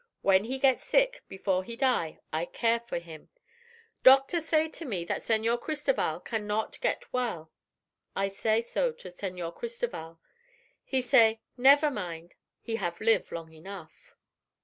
When he get sick, before he die, I care for him. Doctor say to me that Señor Cristoval can not get well; I say so to Señor Cristoval. He say never mind, he have live long enough."